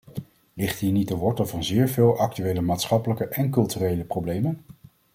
Ligt hier niet de wortel van zeer veel actuele maatschappelijke en culturele problemen?